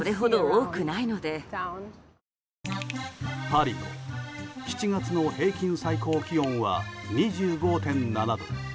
パリの７月の平均最高気温は２５．７度。